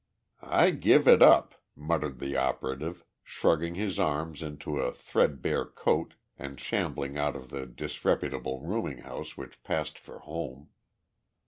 "I give it up," muttered the operative, shrugging his arms into a threadbare coat and shambling out of the disreputable rooming house which passed for home.